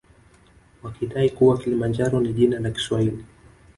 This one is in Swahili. Wakidai kuwa kilimanjaro ni jina la kiswahili